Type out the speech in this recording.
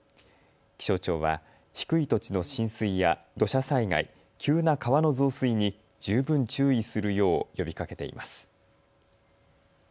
気象庁は低い土地の浸水や土砂災害、急な川の増水に十分注意するよう呼びかけています。